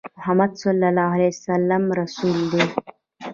محمد صلی الله عليه وسلم د الله رسول دی